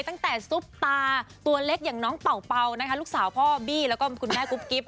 ตั้งแต่ทรุปตาตัวเล็กอย่างน้องเป๋านะคะลูกสาวพ่อบี่และคุณแม่กุบกิฟต์